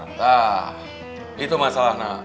nah itu masalahnya